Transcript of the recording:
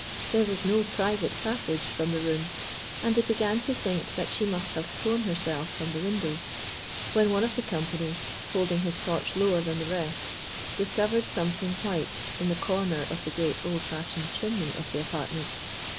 There was no private passage from the room, and they began to think that she must have thrown herself from the window, when one of the company, holding his torch lower than the rest, discovered something white in the corner of the great old fashioned chimney of the apartment.